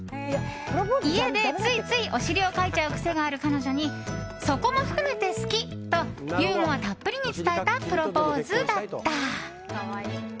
家で、ついついお尻をかいちゃう癖がある彼女にそこも含めて好き！とユーモアたっぷりに伝えたプロポーズだった。